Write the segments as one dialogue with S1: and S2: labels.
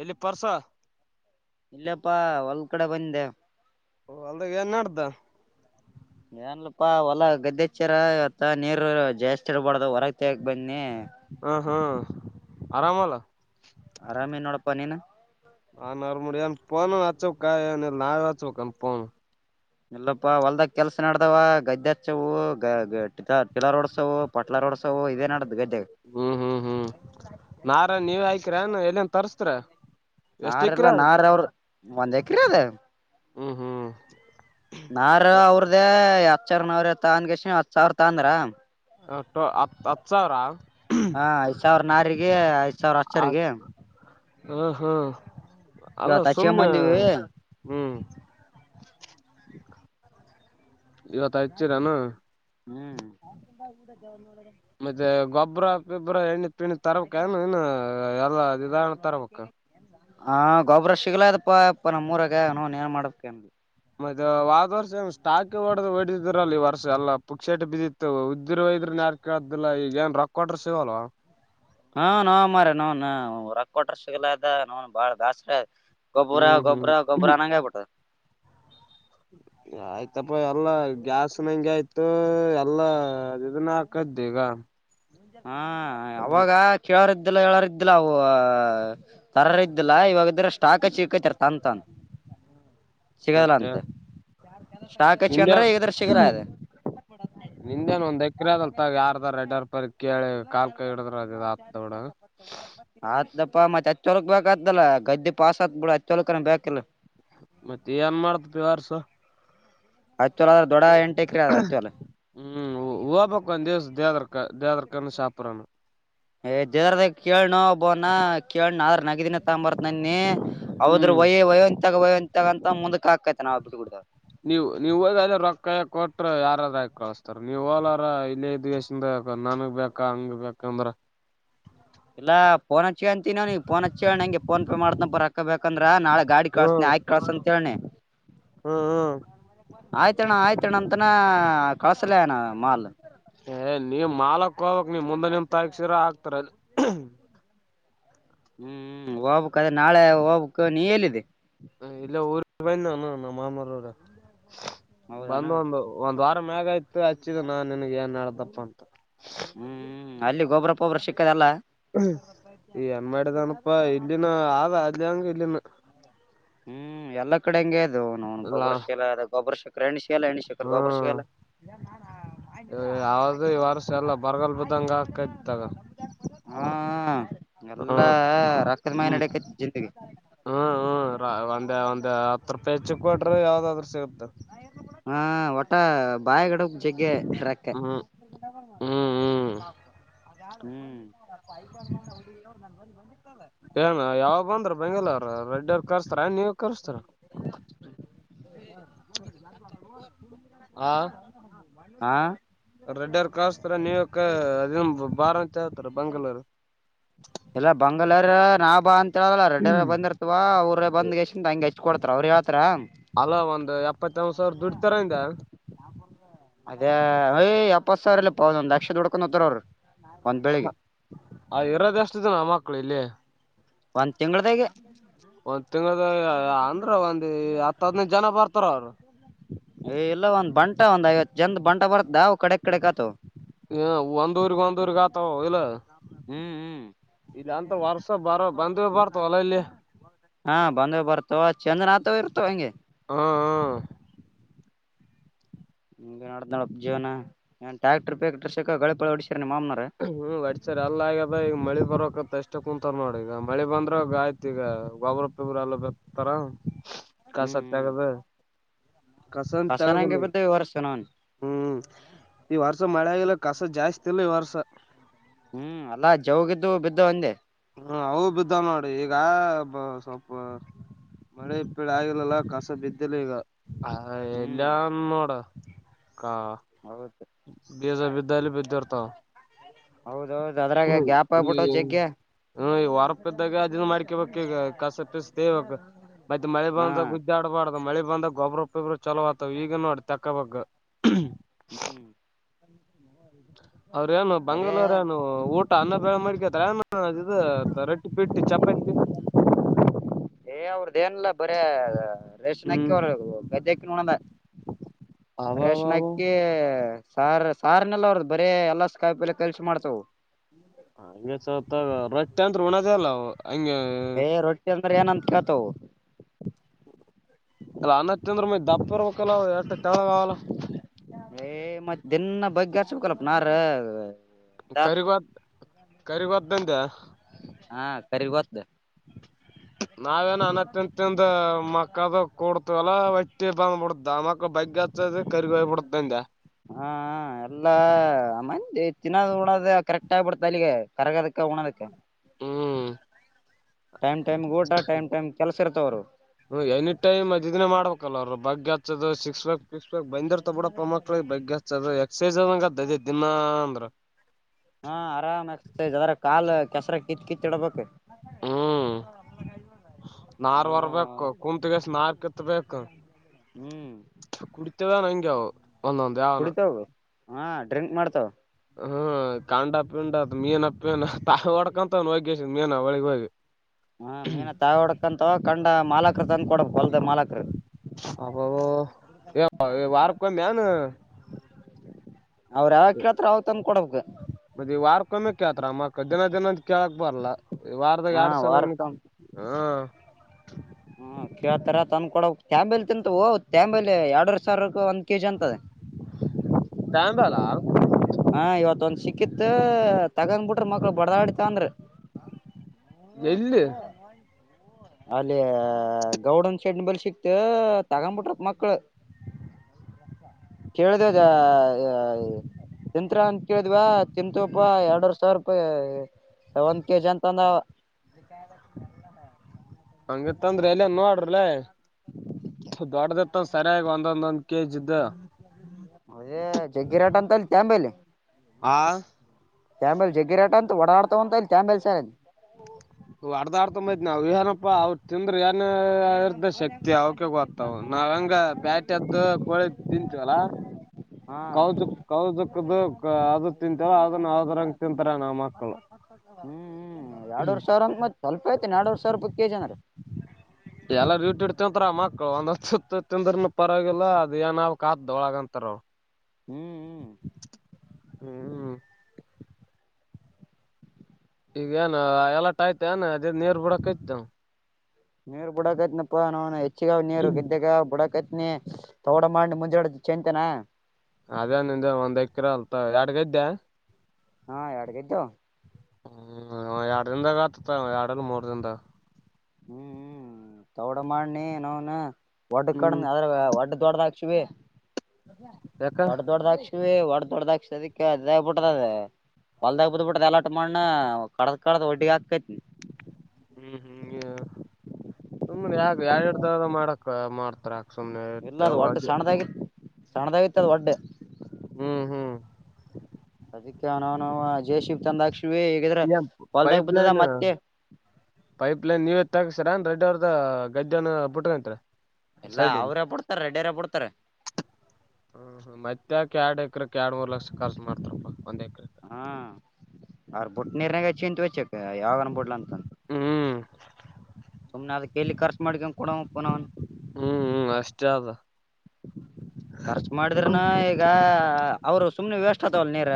S1: ಎಲ್ಲಿ ಪರ್ಸ
S2: ಅಪ್ಪಾ ಹೊಲ್ ಕಡೆ ಬಂದೆ
S1: ಓ ಅಲ್ದ ಏನ್ಡ್ದ
S2: ಏನ್ಲಪಾ ಹೊಲ ಗದ್ದೆಚ್ಚಾರ ಇವತ್ತ ನೀರು ಜಾಸ್ತಿ ಇರ್ಬಾರಡ್ದ ಹೊರಗ ತಗ ಬಂದಿ
S1: ಹಾ ಹಾ ಆರಾಮಲ್ಲ
S2: ಆರಾಮೆನ್ನೋಡಪ್ಪ ನೀಿನ
S1: ನಾ ನ ಆರ ಮಾಡ ಪ ಆಚೋ ಕಾಯ ನಾವ ಆಚೋ ಕ ಪನ್
S2: ಇಲ್ಲಪ್ಪಾ ಹೊಲ್ದಾಗ ಕೆಲ್ಸ ನಡ್ದಾವ ಗದ್ದೆ ಹಚ್ಚವು ಗ ಟಲಾರ್ ಓಡ್ಸವು ಪಟ್ಲಾರ್ ೋ ಇದದೆ
S1: ಹ್ಮ್ ಹ್ಮ್ ಹ್ಮ್ ನಾರ ನೀವ ಆಯಕರಏನ್ ಎಲ್ಲಿನ್ ತರ್ಸ್ತ್ರ
S2: ನಾರ್ಲ್ಲ ನಾರ್ ಅವರು ಒಂದ್ ಎಕ್ರ ಅದ
S1: ಹ್ಮ್ ಹ್ಮ್
S2: ನಾರ ಅವ್ರ್ದೇ ಹತ್ ಸಾವರ ನಾವ್ರ ತ ಅನ್ಗೇಶ ಹತ್ ಸಾವಿರ ತಂದ್ರ
S1: ಟೋ ಅಚ್ಚಾವರ
S2: ಹಾ ಐದ್ ಸಾವಿರ ನಾರಿಗೆ ಐದ್ ಸಾವಿರ ಅಸರಿಗೆ
S1: ಹಾ ಹ್ಮ್ ಅಲ್ಲ ಸುಮನೆ
S2: ಹಚ್ಕೊಂಬಂದಿವಿ
S1: ಹ್ಮ್ ಇವತ್ಾಯತೀರಾನ
S2: ಹ್ಮ್
S1: ಮತ್ತೆ ಗೊಬ್ಬ್ರ ಗಬ್ರ ಎಣ್ಣೆ ಪಣ್ಣಿ ತರಕ್ ಇನು ಎಲ್ಲಾ ತ್ತರವಕ್ಕ
S2: ಹಾ ಗೊಬ್ರ ಸಿಗ್ಲಾಯದಪ್ಪಾ ಇಪ್ಪ ನಮ್ಮ್ೂರಾಗ ನೋನ್ ಏನ್ ಮಾಡ್ಬೇಕ ಅನ್
S1: ಮತ್ತ ವ ಆದ್ ವರ್ಷ ಸ್ಟಾಕಿ ಹೊಡ ಹೊಡದಿದ್ರಲ್ಲಿ ಈ ವರ್ಷ ಎಲ್ಲ ಪುಕ್ ಶೇಟ ಬಿದ್ದಿತ್ತು ಉದ್ದಿರು ಒಯದ್ರ ಇನ್ ಯಾರು ಕೇಳ್ದಿಲ್ಲ ಈಗ ಏನ್ ರೊಕ್ಕ ಕೊಟ್ರ ಸಿಗಲ್ವಾ
S2: ಹಾ ನ ಮ್ರ ನವನ್ ರೊಕ್ಕ ಕೊಟ್ರ ಸಿಗಲ ಅದ ನವನ್ ಬಾಳ ದಾಸ್ರ ಗೊಬರ
S1: ಹ್ಮ್ ಹ್ಮ್
S2: ಗೊಬರ ಗೊಬರ ನಂಗಾಯ ಪಡ್ತ
S1: ಹ್ಮ ಆಯ್ತಪ್ಪ ಎಲ್ಲಾ ಗ್ಯಾಸ್ ನಂ ಆಯ್ತು ಎಲ್ಲಾ ಇದನ್ನ ಹಾಕದ್ದ ಈಗ
S2: ಹಾ ಅವಾಗ ಕೇಳಾರ್ದಲ್ಲ ಹೇಳೋಾರಿದ್ದಲ್ಲ ಅವು ತರರ ಇದಿಲ್ಲಾ ಇವಾಗ ಇದ್ರ ಸ್ಟಾಕ್ ಹಚ್ಚಿಕೈತಾರ ತನ್ ತನ್ ಸಿಗದಲ್ಲ
S1: ಮತ್ತೆ
S2: ಅಂತೆ
S1: ನಿಂದೆ
S2: ಶಾಕ್ಚ್ಿಕಂದ್ರೆ ಈಗ್ರ ಸಿಗಲ್ಲ ಅದೆ
S1: ನಿಂದೇನ್ ಒಂದ್ ಎ ಮಾಗ ಯಾರದ ಎಡರ್ ಪರಿ ಕೇಳಿ ಕಾಲ್ ಕೈ ಹಿಡಿದ್ರ ಅದ ಆೊಡ
S2: ಆತಪ್ಪ ಮತ್ತೆ ಹಚ್ಚೋಲಕ್ ಬೇಕತ್ತಲ್ಲ ಗದ್ದೆ ಪಾಸ್ ಆತ್ ಬಿಡ ಹಚ್ಚೋಲಕನ ಬೇಕಲ್ಲ
S1: ಮತ್ತೆ ಏನ್ ಮಾಡ್ತ ಪೇವರ್ಸ
S2: ಹಚ್ಚೋಲ ಅದ್ರೆ ದೊಡ್ಡ ಎಂಟೆ ಕ್ರ ಅ ಹಚ್ಚೋಲ್
S1: ದ ದೇದ ದೇದರ್ಕ್ಕಾನು ಸಾಪ್ರಾನು
S2: ್ ಜರದ ಕೇಳನ ಒಬನ ಕೇಳ ನಗದಿನ ತಂಬರ್ ನನ್ನ ಅವದರು
S1: ಹ್ಮ್
S2: ವಯೋ ವಯೋ ಇತ್ಯಾಗ ವಯೋ ಇಂತಾಗ ಅಂತ ಮುಂದಕ್ಕೆ ಕಾಕತನಾ ಬಿಟುಬಿಟ್ಟು
S1: ನೀವ್ ನೀವ್ ಹೋಗ ರೊಕ್ಕಾಯ ಕೊಟ್ರ ಯಾರಾದ ಕಳಸ್ತಾರ ನೀವ್ ಹೋಲಾರ ಇಲ್ಲೇ ಇದ್ದು ನನ್ಗ್ ಬೇಕಾ ಹಂಗ ಬೇಕಂದ್ರ
S2: ಇಲ್ಲಾ ಫೋನ್ ಹಚ್ಚಿ ಬರಾಕಬೇಕಂದ್ರ ನಾಳ ಗಡಿ ಕಲ್ಸ್ತೀನಿ ಆಯ್ಕ್ ಕಳ್ಸ ಅಂತ ಹೇಳನಿ ಆಯ್ತಣ್ಣ ಆಯ್ತಣ್ಣ ಅಂತ ಎತ್ತನ ಕಳಸಲೆನಾ ಮಾಲ್
S1: ಏ ನೀವ್ ಮಾಲಕ್ ಹೋಗ್ಕ್ ನೀಮ್ ಮುಂದೆ ನಿಂತಾಗ ಶಿರ ಆಗ್ತಾರ ಅದು
S2: ಹ್ಮ್ ಹೋಗಬೇಕು ಅದ್ರೆ ನಾಳೆ ಹೋಗ್ಬಕು ನೀ ಎಲ್ಲಿದ್ದಿ
S1: ಇಲ್ಲ ಊರ್ ಬಂದ ನಾನು ನಮ್ಮ ಮಾಮಾರ
S2: ಹೌದಾನ
S1: ಬಂದ್ ಒಂದು ಒಂದ್ ವಾರ ವಾರ ಮ್ಯಗಯ್ತು ಹಚ್ಚಿದ ನಾ ನಿನ್ಗ್ ಏನ್ ಮಾಡಡ್ದಪ್ಪ ಅಂತ
S2: ಹ್ಮ್ ಅಲ್ಲಿ ಗೊಬ್ರರ ಪೊಬ್ಬ್ರ ಸಿಕ್ಕದೆ
S1: ಏನ್ ಮಾಡಿದನಪ್ಪಾ ಇಲ್ಲಿನ ಆ ಅದಂಗಲ್ಲಿನ್ನು
S2: ಹ್ಮ್ ಎಲ್ಲಾ ಕಡೆ ಹಂಗೆ ಅದು ನ
S1: ಲಾ
S2: ಗೊಬರ ಶೀಲ ಅ ಗೊಬ್ರ ಶಕರೆ ಎಣ್ಣು ಶೀಲ ಎಣ್ಣ ಶಕರ್ ಗೊಬ್ಬರ ಶೇಲ
S1: ಯಾವದುೂ ಈ ವರ್ಷ ಎಲ್ಲ ಬರಗಲಾ ಬದಂಗ ಆಕೈತ್ತಾಗ
S2: ಹ್ಮ ಎಲ್ಲಾ
S1: ಹ್ಮ್
S2: ರಕ್ [unintelligible]
S1: ಹ್ಮ್
S2: ನಡಕ್ಕೆ ಜಿಂದಗಿ
S1: ಒಂದ ಒಂದ್ ಹತ್ ರೂಪಾಯಿ ಹೆಚ್ಚುಕ್ ಕೊಟ್ರೆ ಯಾವ್ದಾದ್ರರು ಸಿಗುತ್ತ
S2: ಹಾ ಒಟ್ಟ ಬಾಯಗಿಡ ಜಗ್ಗೆ ಇಡಕ್ಕೆ
S1: ಹ್ಮ್ ಹ್ಮ್ ಹ್ಮ್
S2: ಹ್ಮ್
S1: [unintelligible] ಏನ್ ಯಾವ ಬಂದ್ರ ಬೆಂಗಳೂರ್ ರೆಡ್ಡಿ ಅವ್ರು ಕರ್ಸ್ರ ನೀವು ಕರ್ಸ್ಥರ ಹಾ
S2: ಹಾ
S1: ರೆಡ್ಡಿ ಅವರು ಕಸ್ತರ ನೀವ ಅದ ಬಾರ ಅಂತ ಹೇಳ್ತಾರಾ ಬೆಂಗಳೂರು
S2: ಎಲ್ಲ ಬೆಂಗಳೂರು ನಾಭಾ ಅಂತ ಹೇಳಲ್ಲ ರೆಡ್ಡಿ ಬಂದಿರ್ತವಾ ಅವ್ರ ಬಂದ್ಗೆ ಹಂಗೆ ಕೊಡ್ತಾರೆ ಅವ್ರ ಯಾವ
S1: ಅಲ್ಲ ಒಂದ್ ಎಪ್ಪತ್ತ ಎಂಬತ್ ಸಾವಿರ ದುಡ್ತಾರಿಂದ
S2: ಅದೇ ಯ್ ಎಪ್ಪತ್ ಸಾವಿರ ಇಲ್ಲ ಪಾ ಒಂದ್ ಲಕ್ಷ ದುಡ್ಕೊಂಡ ಹೋತ್ತರ ಅವ್ರು ಒಂದ್ ಬೆಳಿಗ್ಗೆ
S1: ಅ ಇರೋದ ಏಷ್ಟಿದೆ ನ ಮಕ್ಕಳು ಇಲ್ಲಿ
S2: [unintelligible]
S1: ಒಂದ್ ತಿಂಗಳ ಒಂದು ಹತ್ತ ಹದ್ನೈದು ಜನ ಬರ್ತಾರ ಅವರು
S2: ಏ ಇಲ್ಲ ಒಂದ್ ಬಂಟ ಒಂದ್ ಐವತ್ತು ಜನಂದ ಬಂಟ ಬರ್ತವು ಕಡೆಕ್ ಕಡೆಕ್ ಆತು
S1: ಹ ಒಂದ ಊರ್ಗ್ ಒಂದ ಊರ್ಗ ಆತಾವ ಇಲ್ಲ
S2: ಹ್ಮ್ ಹ್ಮ್
S1: ಇಲ್ಲಂತ ವರ್ಷ ಬರೋ ಬಂದ್ವಿ ಬರ್ತವಲ್ಲ ಇಲ್ಲಿ
S2: ಚಂದನಾ ಆತವ ಇರ್ತವೆ ಹಂಗೆ
S1: ಹಾ ಹಾ
S2: ಹ ನಡ ನಡ ಜೀವನ ಟ್ಯಾಕ್ಟರ್ ಹೊಡಿಸಿ
S1: ಹ್ಮ್ ವರ್ಚರ್ ಅಲ್ಲ ಆಗದ ಈಗ ಮಳಿ ಬರಕಂತ ಎಷ್ಟ ಕುಂತ್ ನೋಡಿ ಈಗ ಮಳಿ ಬಂದ್ರ ಆಯ್ತು ಈಗ ಗೊಬ್ರಪ್ಪಿಬ್ರ ಎಲ್ಲ ಬಿತಾರ
S2: ಹ್ಮ್
S1: ಕಸ
S2: ಹ್ಮ್
S1: ತಗದು ಕಸ ಅಂತ
S2: ಕಸನಂಗೆ
S1: ತಗದಿಲ್ಲ,
S2: ಬಿದ್ದ ಈ ವರ್ಷ ನಾನ್
S1: ಹ್ಮ್ ಈ ವರ್ಷ ಮಳೆ ಆಗಿಲ್ಲ. ಕಸ ಜಾಸ್ತಿ ಇಲ್ಲ ಈ ವರ್ಷ
S2: ಹ್ಮ್ ಅಲ್ಲಾ ಜವುಗಿದ್ದು ಬಿದ್ದವ ಅಂದೆ.
S1: ಹ್ಮ ಅವು ಬಿದ್ದವ ನೋಡು ಈಗ ಸ್ವಲ್ಪ ಮಳೆ ಇಪ್ಪಿಳ ಆಗಿಲ್ಲಲ್ಲ ಕಸ ಬಿದ್ದಿಲ್ಲ ಈಗ
S2: ಹ್ಮ್
S1: ಎಲ್ಲಿಯನ ನೋಡು ಕಾ
S2: ಹೌದು
S1: ಬೀಜ ಬಿದ್ದಲ್ಲಿ ಬಿದ್ದಿರುತ್ತವ
S2: ಹೌದೌದು ಅದ್ರಾಗ
S1: ಹ್ಮ
S2: ಗ್ಯಾಪ್ ಆಗ್ಬಿಟ್ಟ ಜಗ್ಗೆ
S1: ಇಲ್ಲಿ ಹೊರಪಿದ್ದಾಗ ಅದು ಇದು ಮಾಡಿ ಈಗ ಕಸ ಪೀಸಾ ತಗಿಬೇಕು ಮತ್ತ ಮಳೆ
S2: ಹಾ
S1: ಬಂದಾಗ ಉಜ್ಜಿ ಆಡಬಾರದು ಮಳೆ ಬಂದಗ ಗೊಬ್ರ ಪಿಬ್ರ ಚಲೋ ಆಗ್ತಾವ ಈಗೆ ನೋಡ ತಕ್ಕೋಬೇಕು
S2: ಹ್ಮ.
S1: ಅವ್ರೇನು
S2: ಅದೇ
S1: ಬಂಗಾಲ್ಯಾರು ಏನು ಊಟ ಅನ್ನ ಬೆಳೆ ಮಾಡಕೆ...? [unintelligible] ರೊಟ್ಟಿ ಬಿಟ್ಟಿ ಚಪಾತಿ
S2: ಏ ಅವರದ್ದು ಏನಿಲ್ಲ ಬರೆ ರೇಷನ್ ಅಕ್ಕಿ,
S1: ಹ್ಮ್
S2: ಅವರ ಗದ್ದೆಕ್ಕಿನು ಉಣ್ಣಲ್ಲ. ರೇಷನ್
S1: ಅಬಾಬಾಬ
S2: ಅಕ್ಕಿ... ಸಾರ್ ಸಾರ್ನೆಲ್ಲ ಅವರದ ಬರೇ ಎಲ್ಲಸ ಕಾಯಪಲ್ಯ ಕಲಿಸಿ ಮಾಡ್ತವು.
S1: ರೊಟ್ಟಿ ಅಂತ್ರೂ ಉಣದೇ ಇಲ್ಲ ನಾವು ಹಂಗೆ.
S2: ಏ ರೊಟ್ಟಿ ಏನಂತ ಕೇಳ್ತಾವು.?
S1: ಅಲ್ಲ ಅನ್ನ ತಿಂದ್ರ ಮತ್ತಾ ದಪ್ಪ ಇರಬೇಕು ಅಲ್ಲ ಅವ ಎಷ್ಟು ತೆಳ್ಳಗ ಆವಲ.
S2: ಏ ಮತ್ ದಿನ ಬಗ್ಗಿ ಹಚ್ಚುಬೇಕ ಅಲ್ಲಾಪ ನಾರ. ಇದಾತದ
S1: ಕರಿಗೊದ್ದ ಕರಿಗೋದ್ದಂದೆ?
S2: ಹಾ ಕರಿ ಗೊದ್ದ.
S1: ನಾವೇನ ಅನ್ನ ತಿಂದುತಿಂದು ಮ್. ಕಬಾಬ್ ಕೊಡ್ತು ಅಲ್ಲ ಹೊಟ್ಟಿ ಬಂದ ಬಿಡತ್ತಾ, ಮಕ್ಕಳು ಬಗ್ಗಿ ಹಚ್ಚದಕ ಕರಿಗ ಹೋಗಿ ಬಿಡತಂದೆ.
S2: ಹಾ ಎಲ್ಲ ಅಮ್ಮ ತಿನ್ನೋದು ಉಣದ ಕರೆಕ್ಟ್ ಆಗ್ಬಿಡತೆ ಅಲ್ಲಿಗೆ. ಕರಗದಕ್ಕ ಉಣದಕ್ಕ.
S1: ಹ್ಮ್.
S2: ಟೈಮ್? ಟೈಮ್ ಊಟ ಟೈಮ್ ಟೈಮ್ ಕೆಲ್ಸ ಇರ್ತವ್ರು
S1: ಹ್ಮ ಎನಿ ಟೈಮ್ ಅದೀದಿನೇ ಮಾಡ್ಬೇಕಲ್ಲ ಅವರು ಬಗ್ಗೆ. ಸಿಕ್ಸ್ ಪ್ಯಾಕ್ ಸಿಕ್ಸ್ ಪ್ಯಾಕ್ ಬಂದಿರತ್ತಾ ಬಿಡಪ್ಪಾ ಮಕ್ಕಳಿಗೆ ಬಗ್ಗೆ ಹಚ್ಚೋದು ಎಕ್ಸರ್ಸೈಜ್ ಅದಂಗ ಆಗುತ್ತಾ ದಿನಾ ಅಂದ್ರ. [inaudible]
S2: ಹಾ ಆರಾಮ ಹಚ್ಚುತೈತಿ ಅದರಾಗ ಕಾಲು ಕೆಸರಾಗ ಕಿತ್ತಿ ಕಿತ್ತಿ.
S1: ಹ್ಮ್ ನಾರ್
S2: ಹಾ
S1: ವರ್ಬೇಕು ಕುತ್ತುಕೇಸಿ ನಾರ್ ಕಿತ್ಬೇಕು.
S2: ಹ್ಮ್.
S1: ಒಂದೊಂದ ಯಾವನ.
S2: ಕುಡಿತಾವ ಹಾ ಡ್ರಿಂಕ್ ಮಾಡ್ತಾವ.
S1: ಹ್ಮ್ ಕಾಂಡ ಪಿಂಡದ ಮೀನ ಪೀನ ತಾ ಹೊಡ್ಕಂತವ ಏನು ಹೊಗಕೆಸಿ ಮೀನ ಹೋಳಿಗ ಹೋಗಿ.
S2: ಹಾ ಮೀನ ತಾವೆ ಹೊಡಕಂತವ, ಕಂಡ ಮಾಲಕರು ತಂದ ಕೊಡ್ಬೇಕ ಹೊಲದ ಮಾಲಕರು.
S1: ಅಬಾಬಾ, ಏ ವಾರಕ ಒಮ್ಮೆನು?
S2: ಅವರು ಯಾವಾಗ ಕೇಳುತ್ತಾರೋ ಅವಗ ತಂದ ಕೊಡಬೇಕು.
S1: ಒಮ್ಮೆ ಕೇಳ್ತಾರಾ ಮತ್ತಾ ದಿನ ದಿನ ಕೇಳಕ್ ಬರಲ್ಲ. ವಾರದಾಗ
S2: ಹಾ
S1: ಎರಡು ಸಲ
S2: ವಾರಕ್
S1: ಹಾ.
S2: ಹ್ಮ ಕೇಳ್ತಾರ ತಂದ ಕೊಡಬೇಕು ತ್ಯಾಂಬೆಲಿ ತಿಂತವೊ ತ್ಯಾಂಬೆಲಿ ಎರಡು ವರಿ ಸಾವಿರ ಇರ್ತದ ಅಂತ.
S1: ತ್ಯಾಂಬೇಲಾ?
S2: ಹಾ ಇವತ್ತೊಂದು ಸಿಕ್ಕಿತ್ತು ತಗೊಂದ ಬಿಟ್ಟರು ಮಕ್ಕಳು ಬಡದಾಡಿ ತಗೊಂಡ್ರು.
S1: ಎಲ್ಲಿ?
S2: ಅಲ್ಲಿ ಗೌಡನ ಶೆಡ್ಡಿನ ಬಳಿ ಸಿಕ್ತು ತಗೊಂಡು ಬಿಟ್ಟರು ಮಕ್ಕಳು. ಕೇಳಿದೇದಾ. ತಿಂತೀರಾ ಅಂತ ಕೇಳಿದ್ವಾ ತಿಂತೀವಿ ಪಾ ಎರಡವರಿ ಸಾವಿರ ರೂಪಾಯಿ. ಅದು ಒಂದು ಕೆ. ಜಿ. ಅಂತಂದ ಅವ.
S1: ಹಂಗತ್ತ ಅಂದ್ರ ಎಲ್ಲ ನೋಡ್ರಲ್ಲ ದೊಡ್ಡದ ಮ ಸರಿಯಾಗಿ ಒಂದೊಂದೊಂದ್ ಕೆಜ್ದು
S2: ಅದೇ ಜಗ್ಗಿರಾಟ ಅಂತ ಅಲ್ಲಿಂಬೇಲಿ
S1: ಆ
S2: ತಾಂಬೇಲ್ ಜಗ್ಗಿರಾಟ ಅಂತ ಓಡಾಡ್ತ ಉ ಅಂತ ಅಲ್ಲಿ ತಾಂಬೇಲ್ ಸಾರಲ್ಲಿ
S1: ್ ಅರ್ದ ಆಡ್ತೊಂಬೈತಿ ನಾವವು ಏನಪ್ಪಾ ಅವ್ರು ತಿಂದ್ರ ಏನ ಇರ್ತ ಶಕ್ತಿ ಅವಕ ಗ ನಾವಂಗ ಬ್ಯಾಟಿದ್ದು ಕೋಳಿ ತಿಂತೀವಲ್ಲಾ
S2: ಹಾ ಹ್ಮ್
S1: ಕೌಜಕ್ ಕೌಜಕ್ಕದ ಅದು ತಿಂತಾರ ಅದನ್ನ ಅವದರಂಗ ತಿಂತಾರ ನಮ್ಮ ಮಕ್ಕಳು
S2: ಹ್ಮ್
S1: ಹ್ಮ
S2: ಎರಡೂವರ್ ಸಾವಿರ ಅಂತ ಮತ್ ಸ್ವಲ್ಪ ಐ್ತು ನಾಡುವ ಸಾವಿರ ರೂಪಾಯಿ ಕೆ ಜನ
S1: ಎಲ್ಲಾರ ಯಟ ತಿಂತರ ಮಕ್ಳು ಒಂದ ಸ ತಿಂದ್ರನ ಪರವಾಗಿಲ್ಲ ಅದ ಏನಾವಕ್ ಹೊಳಗ ಅಂತಾರ ಅವ
S2: ಹ್ಮ್ ಹ್ಮ್
S1: ಹ್ಮ್ ಈಗ ಏನ ಎಲಾಟ ಆಯ್ತ ಏನ್ ಅದೇ ನೀೇರ್ ಬಿಡಕಯ್ತ
S2: ನೀರ್ ಬುಡಾಕತ್ನಪ್ಪ ನಾ ಹೆಚ್ಚಗ ನೀರು ಗೆದ್ದಾಗ ಬುಡಕೈತ್ ನೀ ತಗಡ ಮಾಡಿ ಮುಂಜಾಡ ಚಂತೇನಾ
S1: ಅದೇ ನಿ್ದ ಒಂದ್ ಎಕ್ರ ಅಲ್ತ ಎಡ್ಗ ಇದ್ದ್ಯಾ
S2: ಹಾ ಎರಡ್ಗ ಇದದ್ದು
S1: ಹ್ಮ್ ಎರಡ್ ದಿನದಾಗ ಆತತ್ ಎರಡ ಮೂರ್ ದನ್ದಾಗ
S2: ಹ್ಮ್ ತಗಡ ಮಾಡನಿ ನಾವನ ವಡ್ ಕಣ
S1: ಹ್ಮ್
S2: ಅದ್ರಡ ದೊಡ್ಡದ ಹಾ ಶಿವಿ
S1: ಯಾಕ
S2: ವಡ ದೊಡ್ಡದ ಹಾಕ್ ಶಿವಿ ವಡ ದೊಡ್ಡದಾ ದಕ್ಕೆ ಅ ಬಿಟ್ರ ಅ ಹೊಲ್ದಾಗಗ್ ಬದ್ ಬಿಿಟ್ಟ್ದ ಎಲಾಟ ಮಾಡನ ಕಡದ ಕಳದ ಒಡ್ಡಿಗೆ ಹಾಕ್ಕೈತಿನಿ
S1: ಹ್ಮ್ ಹ್ಮ್ ಸುಮ್ಮ್ನೆ ಯಾ ಎರ ಎರ ದಾವದ ಮಾಡಕ್ ಮಾಡ್ತಾರ ಯಾಕ್ ಸುಮ್ನೆ
S2: ಇಲ್ಲ ಅದು ಒಡ್ ಸಣ್ಣದಾಗಿ ಸಣ್ಣದಾಗಿತ್ತು ಅದು ಒಡ್ಡ
S1: ಹ್ಮ್ ಹ್ಮ್
S2: ಅದಕ್ಕೆ ನಾವ್ ನವು ಜ ಶ ಚಂದ ಆ
S1: ಇಲ್ಲ ಪೈಪ್ಲೈನ್ ಪೈಪ್ಲೈನ್ ನೀವತ್ತು ಗೊಾಗ ಸರನ್ ರೆಡ್ಡಿ ಅವರ್ದ ಗದ್ದೆನ್ ಬಿಟ್ರಂತ್ರ
S2: ಎಲ್ಲಾ
S1: ಸೈಡ್
S2: ಅವ್ರೇ ಬಿಡ್ತಾರ ರೆಡ್ಡಿಯರ ಬಿಡ್ತಾರ
S1: ಹ ಹ ಮತ್ತೆಕ ಆಡ ಅಕ್ರಕ್ಕೆ ಎಡು ಮೂರು ಲಕ್ಷಖರ್ಚು ಮಾಡ್ತಾರಪ್ಪ ಒಂದ
S2: ಹ್ಮ ಅವ್ರ ಬುಟ್ಟ ನೀರ್ನಾಗಚ್ಚಿ ಅಂತ ವಚ್ಚಕ್ಕ ಯಾವನ್ ಬಿಡ್ಲ ಅಂತಂತ
S1: ಹ್ಮ್
S2: ಸುಮ್ನೆ ಅದಕ್ಕೆಲ್ಲಿ ಖರ್ಚು ಮಾಡ್ಕೊಂಡ ಕೊಡಪ್ಪನಾವನ್
S1: ಹ್ಮ್ ಹ್ಮ್ ಅಷ್ಟೇ ಅದ
S2: ಖರ್ಚು ಮಾಡಿದ್ರನ ಈಗ ಅವರು ಸುಮ್ನೆ ವೇಸ್ಟ್ ಆತವಲ್ಲ ನೀರ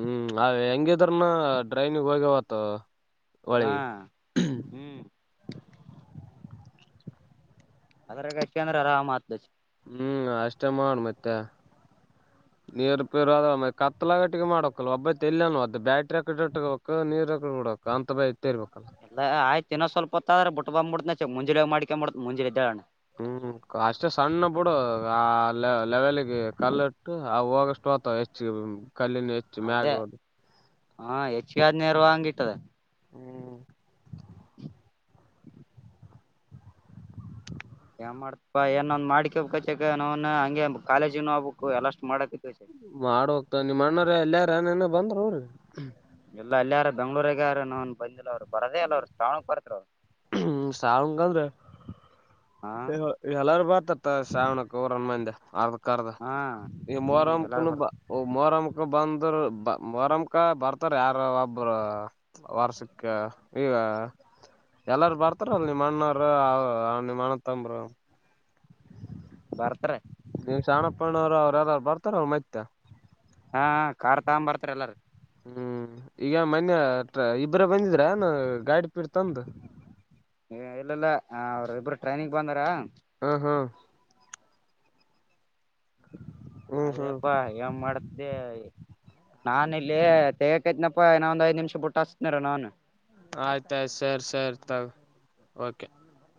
S1: ಹ್ಮ್ ಹೆಂಗಿದ್ರನ ಡ್ರೈನಿಿಗೆ ಹೋಗ್ಯಾವತ್
S2: ಹಾ ಹ್ಮ್ ಅದ್ರ ಗಚ್ಚಂದ್ರ ಅರಾಮ ಮಾತ್
S1: ಹ್ಮ್ ಅಷ್ಟೇ ಮಾಡ ಮತ್ತೆ ನೀರ್ ಪರ ಕತ್ತಲಗಟ್ಟ ಮಾಡಕ ಒಬ್ಬ ತಲ್ಲಿ ಅದ ಬ್ಯಾಟ್ರಿಕ್ ನೀ ನಡಕ ಅಂತ ಬ ಇತ್ತೇ ಇರ್ಬೇಕಲ್ಲ
S2: ತಿನ್ನೋ ಸ್ವಲ್ಪ ಹೊತ್ತ ಆದರೆ ಬಿಟ್ಬ ಮುತನೆ ಮ ಮುಜೆ ಮಾಡಕ ಮಾಡ ಮುಂಜಿೆಳಣ
S1: ಹ್ಮ್ ಅಷ್ಟೇ ಸಣ್ಣ ಬಿಡು ಆ ಲೆವೆಲ್ಿಗೆ ಕಲ್ಲ ಇಟ್ಟು ಆ ಹೋಗಷ್ಟ ತ ಹೆಚ್ಚ ಕಲ್ಲಿನ ಹೆಚ್ಚು
S2: ಅದೇ
S1: ಮ್ಯಾಗ ಅದು
S2: ಹಾ ಹೆಚ್ಚು ಆದ್ ನೇರ ವಾಂಗಟ್ಟಿದೆ
S1: ಹ್ಮ್
S2: ಏನ್ ಮಾಡ್ತಪಾ ಏನೊಂದ್ ಮಾಡ್ಿಕ ಕಚಕ ನಾವನ್ ಹಂಗೆ ಕಾಲೇಜ್
S1: ಮಾಡ ಹೋಗ್ತ ನಿಮ್ಮ ಅಣ್ಣ್ರ ಎಲ್ಲಯಾರ ಏನನ ಬಂದ್ರ ಅವ್ರಿ
S2: ಎಲ್ಲ ಅಲ್ಲಿಯಾರ ಬೆಂಗಗಳೂರಗ ಯಾರ ನನ್ ಬಂದಿಲ್ಲ ಅವರು ಬರದೇ ಅಲ್ಲ ಅವ್ರು ಶಾಣಕ್ ಬರ್ತ ಅವ್
S1: ಹ್ಮ ಸಾವಕಂದ್ರ
S2: ಹಾ
S1: ಎಲ್ಲಾರ ಬರ್ತತ್ ಶ್ರಾವಣಕ್ ರನ್ ಮಂದಿ ಅರ್ದ ಕರ್ದ
S2: ಹಾ
S1: ಈ
S2: ಹ್ಮ್ ಎಲ್ಲಾರು
S1: ಮೋರಮ್ಮಕನು
S2: ಬರ್
S1: ಮೋರಮ್ಮ ಬಂದ್ರ ಬ ಮರಮಕ ಬರ್ತಾರ ಯಾರ ಒಬ್ಬರು ವರ್ಷಕ್ಕೆ ಈ ಎಲ್ಲಾರ ಬರ್ತಾರಲ್ ನಿಮ್ಮ ಅಣ್ಣವರು ನಿಮ್ಮ ಅಣ್ಣ ತಂಬರು
S2: ಬರ್ತಾರ
S1: ನೀವ್ ಸಾಣಪ್ಪಣ್ಣವರು ಅವ್ರು ಯಾರರು ಬರ್ತಾರ ಅವರು ಮೈತ್ತೆ
S2: ಹಾ ಕಾರ್ ತಗ ಬರ್ತಾರ ಎಲ್ಲಾರ
S1: ಹ್ಮ್ ಈಗ ಮನ್ಯ ಇಬರ ಬಂದಿದ್ರನು ಗಾಡಿ ಪೀಡ್ ತಂದು
S2: ಇಲ್ಲೆಲ್ಲ ಅವರು ಇಬ್ರು ಟ್ರೈನಿಿಗೆ ಬಂದಾರಾ
S1: ಹಾ ಹಾ ಹ್ಮ್ ಹ್ಮ್
S2: ಅದೇಪ್ಪಾ ಏನ್ ಮಾಡತ್ದೆ ನಾ ಇಲ್ಲೇ ತೆಗಕೈತನಪ್ಪ ಇನ ಒಂದ್ ಐದ್ ನಿಮಿಷ ಬಿಟ್ಟ ಹಸ್ತನಾರ ನಾನನ್
S1: ಆಯ್ತಾಯ್ತ ಸರಿ ಸರಿ ತಗ ಕೆ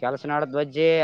S2: ಕಲಸನಾಡ ಧ್ವ್ಜೆ